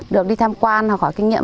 được đi tham quan hoặc khỏi kinh nghiệm